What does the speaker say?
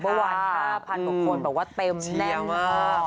บรรวาลค่ะพันกว่าคนแบบว่าเต็มแน่นมาก